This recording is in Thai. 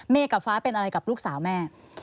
กับฟ้าเป็นอะไรกับลูกสาวแม่